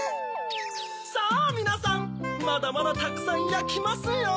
さぁみなさんまだまだたくさんやきますよ。